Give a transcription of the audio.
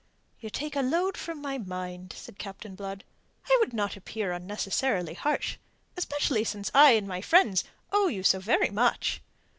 "You take a load from my mind," said Captain Blood. "I would not appear unnecessarily harsh, especially since I and my friends owe you so very much.